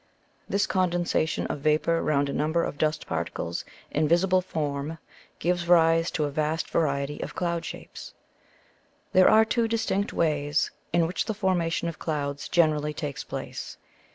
This condensation of vapour round a number of dust particles in visible form gives rise to a vast variety of cloud shapes. There are two distinct ways in which the formation of clouds generally takes place.